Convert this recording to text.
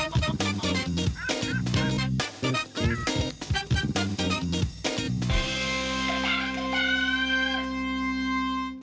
เข้าใจไหม